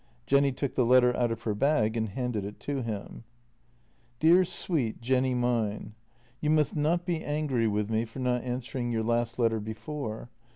Jenny took the letter out of her bag and handed it to him. "Dear, Sweet Jenny Mine, — You must not be angry JENNY 272 with me for not answering your last letter before.